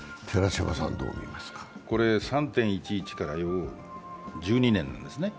３・１１から１２年なんですね。